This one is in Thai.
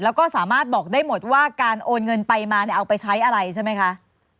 แล้วก็สามารถบอกได้หมดว่าการโอนเงินไปมาเนี่ยเอาไปใช้อะไรใช่ไหมคะ